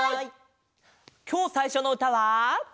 きょうさいしょのうたは。